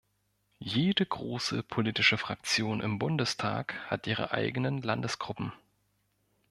Jede große politische Fraktion im Bundestag hat ihre eigenen Landesgruppen.